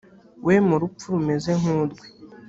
we mu rupfu rumeze nk urwe